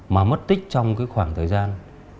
mà mất tích trong cái khoảng thời gian